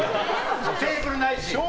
テーブルないし。